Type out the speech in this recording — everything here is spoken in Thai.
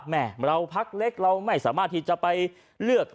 แม่เราพักเล็กเราไม่สามารถที่จะไปเลือก